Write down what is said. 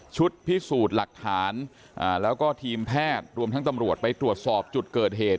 ชุดพิสูจน์หลักฐานแล้วก็ทีมแพทย์รวมทั้งตำรวจไปตรวจสอบจุดเกิดเหตุ